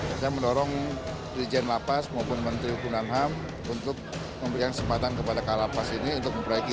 kita mendorong rijen lapas maupun menteri hukum dan ham untuk memberikan kesempatan kepada kalapas ini untuk memperbaiki